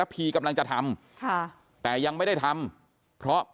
พ่อแม่เขาตายหมดแล้ว